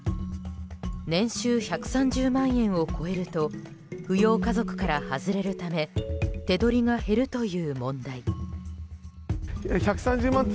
年収１３０万円を超えると扶養家族から外れるため手取りが減るという問題。